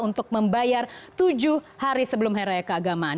untuk membayar tujuh hari sebelum hari raya keagamaan